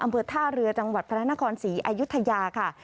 อำเภอท่าเรือจังหวัดพระนครศรีอายุทยาค่ะ